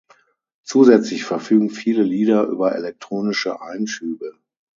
Zusätzlich verfügen viele Lieder über elektronische Einschübe.